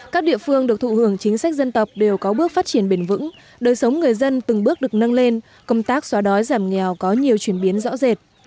các địa phương được thụ hưởng chính sách dân tộc đều có bước phát triển bền vững đời sống người dân từng bước được nâng lên công tác xóa đói giảm nghèo có nhiều chuyển biến rõ rệt